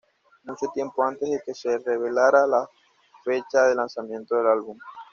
Mucho tiempo antes de que se revelara la fecha de lanzamiento del álbum.